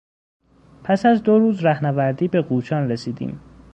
پس از دو روز رهنوردی به قوچان رسیدیم.